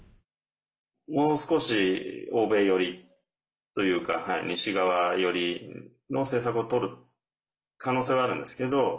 もう少し欧米寄りというか西側寄りの政策をとる可能性はあるんですけど。